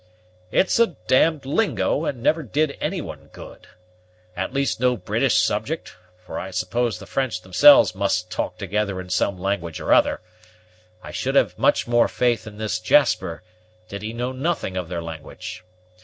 "It's a d d lingo, and never did any one good at least no British subject; for I suppose the French themselves must talk together in some language or other. I should have much more faith in this Jasper, did he know nothing of their language.